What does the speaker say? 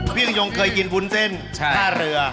พี่กังโยงเคยกินฟุนเส้นท่าเรือ